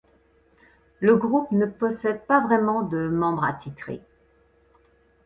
Le groupe ne possède pas vraiment de membres attitrés.